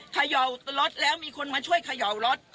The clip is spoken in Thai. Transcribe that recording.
เขย่ารถแล้วมีคนมาช่วยเขย่ารถ